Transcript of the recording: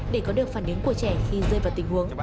để có được phản ứng của trẻ khi rơi vào tình huống